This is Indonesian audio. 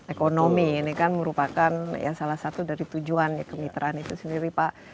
ekonomi ini kan merupakan salah satu dari tujuan kemitraan itu sendiri pak